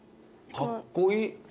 かっこいい！